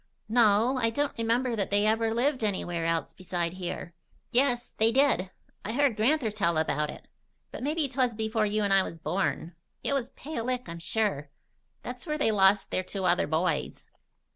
"No. I don't remember that they ever lived anywhere else beside here." "Yes, they did. I heard Gran'ther tell about it. But mebbe 'twas before you an' me was born. It was Pale Lick, I'm sure. That's where they lost their two other boys."